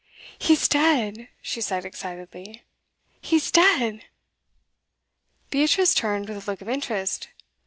'He's dead!' she said excitedly. 'He's dead!' Beatrice turned with a look of interest.